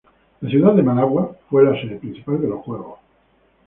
La ciudad de Managua fue la sede principal de los juegos.